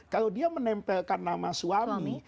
kalau dia menempelkan nama suami